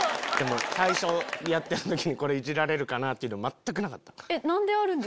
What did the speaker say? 最初やってる時これイジられるかなってなかった？